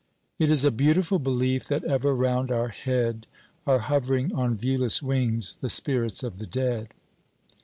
"It is a beautiful belief, That ever round our head Are hovering on viewless wings The spirits of the dead."